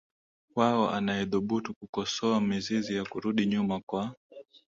wao anayethubutu kukosoa mizizi ya kurudi nyuma kwa